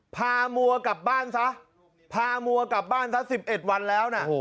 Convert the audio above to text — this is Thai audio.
พามัวกลับบ้านซะพามัวกลับบ้านซะ๑๑วันแล้วนะ